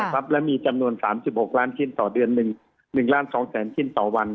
และมีจำนวน๓๖ล้านชิ้นต่อเดือน๑ล้าน๒แสนชิ้นต่อวัน